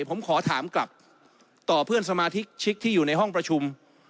ผมขอถามกลับต่อเพื่อนสมาชิกชิกที่อยู่ในห้องประชุม